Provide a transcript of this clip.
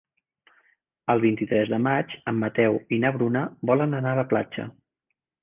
El vint-i-tres de maig en Mateu i na Bruna volen anar a la platja.